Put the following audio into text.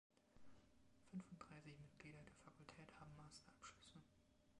Fünfunddreißig Mitglieder der Fakultät haben Master-Abschlüsse.